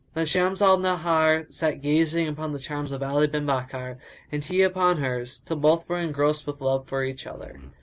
Then Shams al Nahar sat gazing upon the charms of Ali bin Bakkar and he upon hers, till both were engrossed with love for each other.